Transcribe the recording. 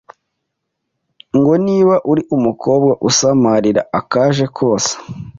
ngo niba uri umukobwa usamarire akaje kose